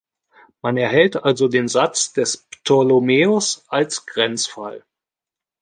Man erhält also den Satz des Ptolemäus als Grenzfall.